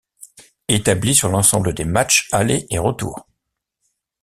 Etablis sur l'ensemble des matchs aller et retour.